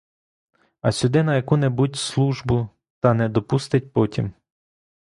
А сюди на яку-небудь службу та не допустить потім.